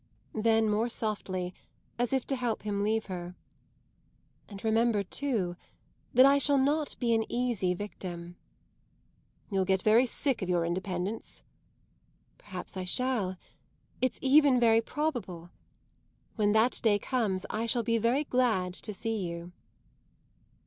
Then more softly, as if to help him to leave her: "And remember too that I shall not be an easy victim!" "You'll get very sick of your independence." "Perhaps I shall; it's even very probable. When that day comes I shall be very glad to see you."